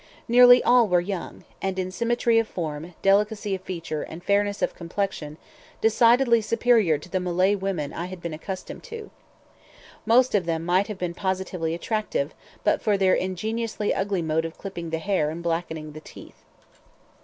Nearly all were young; and in symmetry of form, delicacy of feature, and fairness of complexion, decidedly superior to the Malay women I had been accustomed to. Most of them might have been positively attractive, but for their ingeniously ugly mode of clipping the hair and blackening the teeth.